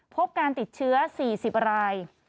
พบการติดเชื้อ๔๐ราย